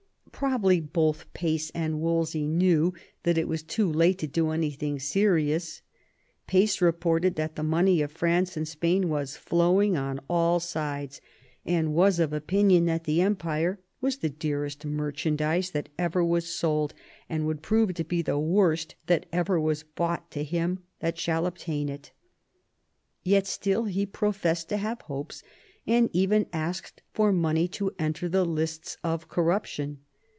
Probably both Pace and Wolsey knew that it was too late to do anything serious. Pace reported that the money of France and Spain was flowing on all sides, and was of opinion that the empire was " the dearest merchandise that ever was sold," and would prove " the worst that ever was bought to him that shall obtain it" Yet still he professed to have hopes, and even asked for money to enter the lists of corruption.